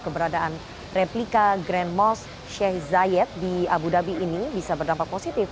keberadaan replika grand most sheikh zayed di abu dhabi ini bisa berdampak positif